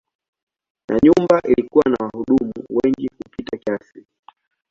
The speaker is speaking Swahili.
Na nyumba ilikuwa na wahudumu wengi kupita kiasi.